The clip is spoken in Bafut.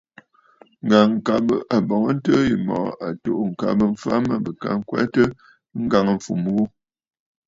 Ŋ̀gàŋkabə àbɔ̀ŋəntɨɨ yì mɔ̀ʼɔ à tù'û ŋ̀kabə mfa mə bɨ ka ŋkwɛtə ŋgàŋâfumə ghu.